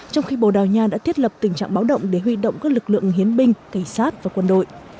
trong khi bồ đào nha đã thiết lập tình trạng báo động để huy động các lực lượng hiến binh cảnh sát và quân đội